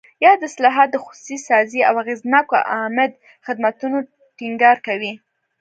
یاد اصلاحات د خصوصي سازۍ او اغېزناکو عامه خدمتونو ټینګار کوي.